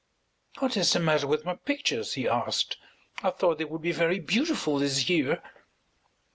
"What is the matter with my pictures?" he asked. "I thought they would be very beautiful this year."